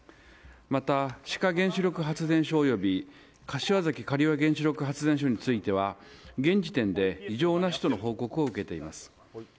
また、志賀原子力発電所および柏崎刈羽原子力発電所については現時点で異常なしとの報告を受けています。